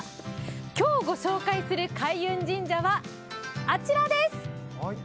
今日ご紹介する開運神社は、あちらです。